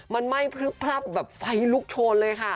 มันไหม้พลึบพลับแบบไฟลุกโชนเลยค่ะ